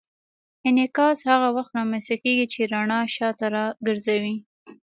انعکاس هغه وخت رامنځته کېږي چې رڼا شاته راګرځي.